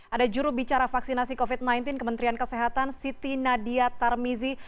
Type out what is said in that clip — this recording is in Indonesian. ada jurubicara vaksinasi covid sembilan belas kementerian kesehatan siti nadia tarmizi